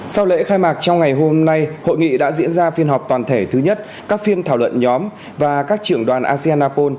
sau lễ khai mạc trong ngày hôm nay hội nghị đã diễn ra phiên họp toàn thể thứ nhất các phiên thảo luận nhóm và các trưởng đoàn asean apol